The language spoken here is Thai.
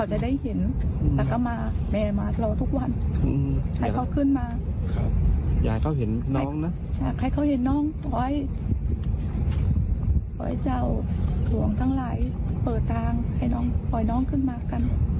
ให้เขาขึ้นมาให้เขาเห็นน้องขอให้เจ้าหลวงทั้งหลายเปิดทางให้น้องขึ้นมากัน